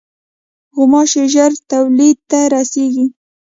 غوماشې ژر تولید ته رسېږي.